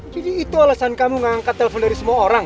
jadi itu alasan kamu ngangkat telepon dari semua orang